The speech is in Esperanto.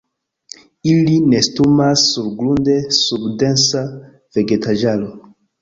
Ili nestumas surgrunde sub densa vegetaĵaro.